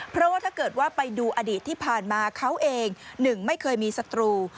เพราะว่าถ้าเกิดว่าไปดูอดีตที่ผ่านมาเขาเองหนึ่งไม่เคยมีศัตรู